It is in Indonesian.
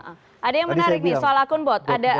ada yang menarik nih soal akun bot